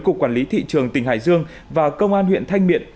cục quản lý thị trường tỉnh hải dương và công an huyện thanh miện